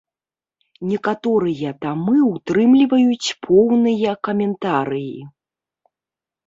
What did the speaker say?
Некаторыя тамы ўтрымліваюць поўныя каментарыі.